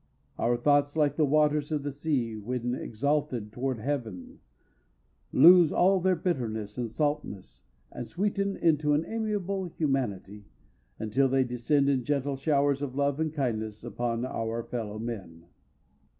Our thoughts, like the waters of the sea, when exhaled toward heaven lose all their bitterness and saltness, and sweeten into an amiable humanity, until they descend in gentle showers of love and kindness upon our fellow men.